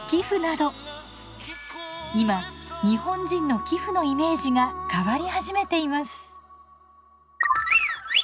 今日本人の寄付のイメージが変わり始めています。